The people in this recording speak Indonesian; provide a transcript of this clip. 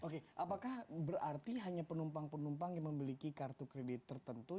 oke apakah berarti hanya penumpang penumpang yang memiliki kartu kredit tertentu